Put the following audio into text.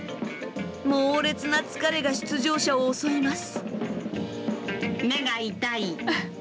猛烈な疲れが出場者を襲います。